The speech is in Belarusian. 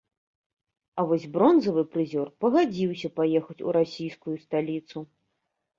А вось бронзавы прызёр пагадзіўся паехаць у расійскую сталіцу.